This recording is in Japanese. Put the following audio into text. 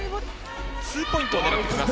ツーポイントを狙ってきます。